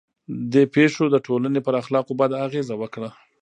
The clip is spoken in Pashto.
دې پېښو د ټولنې پر اخلاقو بده اغېزه وکړه.